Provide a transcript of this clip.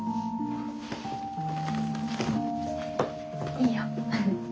いいよ。